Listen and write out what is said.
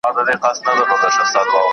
¬ امير ئې ورکوي، شيخ مير ئې نه ورکوي.